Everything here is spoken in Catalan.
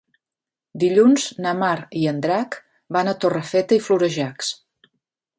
Dilluns na Mar i en Drac van a Torrefeta i Florejacs.